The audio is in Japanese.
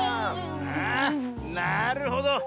あなるほど。